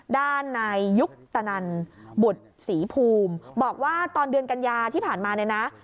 ด้านนายยุคตนันบุตรศรีภูมิบอกว่าตอนเดือนกันยาที่ผ่านมาเนี่ยนะ